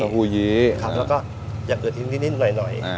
แล้วก็อย่าเกิดอีกนิดหน่อย